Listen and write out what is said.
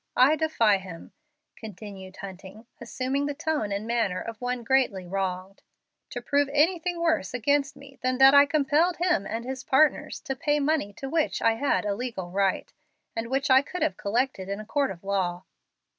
I defy him," continued Hunting, assuming the tone and manner of one greatly wronged, "to prove anything worse against me than that I compelled him and his partners to pay money to which I had a legal right, and which I could have collected in a court of law."